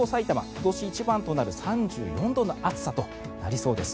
今年一番となる３４度の暑さとなりそうです。